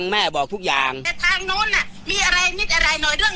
แม่อยากอยู่ใกล้ใกล้จัง